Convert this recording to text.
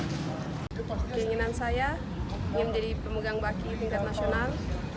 keinginan saya ingin jadi pemegang bagi tingkat nasional